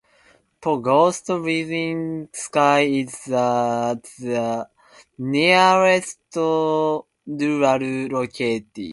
Pogost Ilyinsky is the nearest rural locality.